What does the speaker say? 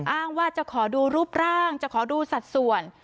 อ้างว่าจะขอดูรูปร่างจะขอดูสัดส่วน